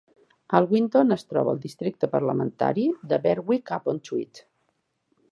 Alwinton es troba al districte parlamentari de Berwick-upon-Tweed.